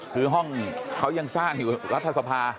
คือห้องเขายังสร้างอยู่รัฐสภา